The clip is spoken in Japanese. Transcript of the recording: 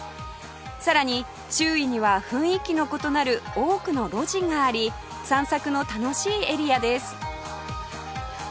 さらに周囲には雰囲気の異なる多くの路地があり散策の楽しいエリアです